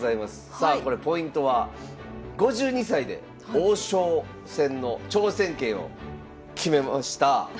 さあこれポイントは５２歳で王将戦の挑戦権を決めました。